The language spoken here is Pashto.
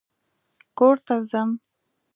کور ته ځم